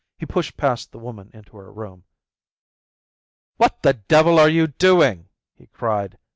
He pushed past the woman into her room. "What the devil are you doing?" he cried.